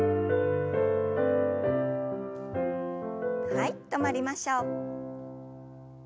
はい止まりましょう。